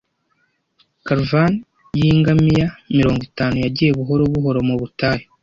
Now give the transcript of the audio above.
Caravan yingamiya mirongo itanu yagiye buhoro buhoro mu butayu.